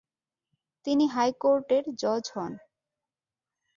তিনি হাইকোর্টের জজ হন।